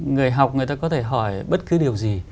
người học người ta có thể hỏi bất cứ điều gì